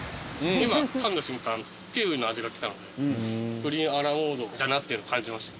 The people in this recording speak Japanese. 今、かんだ瞬間、キウイの味がきたので、プリンアラモードだなっていうの感じました。